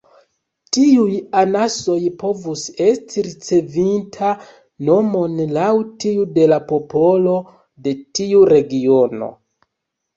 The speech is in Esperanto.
Tiuj anasoj povus esti ricevinta nomon laŭ tiu de la popolo de tiu regiono.